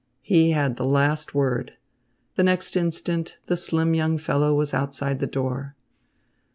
He had the last word. The next instant the slim young fellow was outside the door.